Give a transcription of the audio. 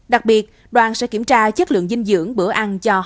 đặc biệt đoàn sẽ kiểm tra chất lượng dinh dưỡng bữa ăn cho học sinh